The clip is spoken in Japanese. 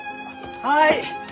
・はい！